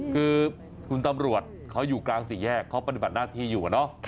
คือคุณตำรวจเขาอยู่กลางสี่แยกเขาปฏิบัติหน้าที่อยู่อะเนาะ